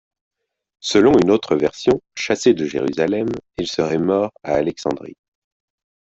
Selon une autre version, chassé de Jérusalem, il serait mort à Alexandrie.